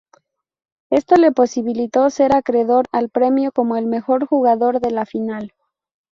Esto le posibilitó ser acreedor al premio como el mejor jugador de la final.